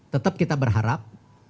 tetap kita berharap